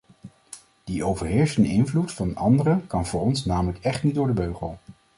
Die overheersende invloed van anderen kan voor ons namelijk echt niet door de beugel.